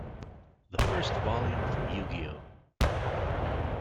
The first volume from Yu-Gi-Oh!